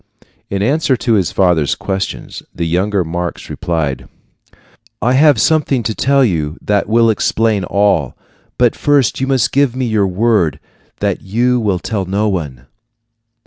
In answer to his father's questions, the younger Marx replied: "I have something to tell you that will explain all; but first you must give me your word that you will tell no one."